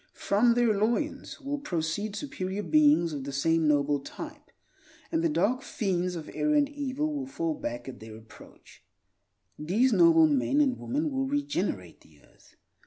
From their loins will proceed superior beings of the same noble type; and the dark fiends of error and evil will fall back at their approach. These noble men and women will regenerate the earth.